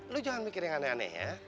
lu jangan mikir yang aneh aneh ya